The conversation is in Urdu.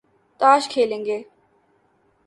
تاش کھیلیں گے